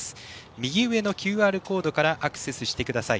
右上のＱＲコードからアクセスしてください。